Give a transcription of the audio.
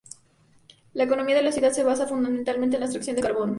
La economía de la ciudad se basa fundamentalmente en la extracción de carbón.